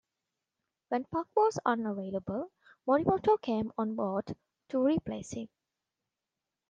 When Puck was unavailable, Morimoto came on board to replace him.